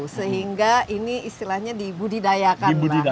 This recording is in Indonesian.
sehingga ini istilahnya dibudidayakan